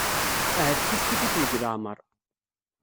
Ahat kifkif-iten deg leɛmer.